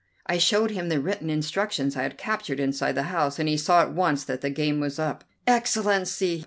I showed him the written instructions I had captured inside the house, and he saw at once that the game was up. "Excellency!"